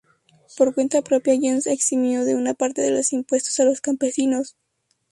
Por cuenta propia, Jöns eximió de una parte de los impuestos a los campesinos.